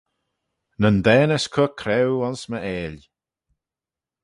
Nyn daanys cur craue ayns my eill.